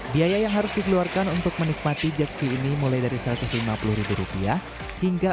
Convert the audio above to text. biaya yang harus dikeluarkan untuk menikmati jet ski ini mulai dari satu ratus lima puluh rupiah hingga